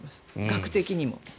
額的にも。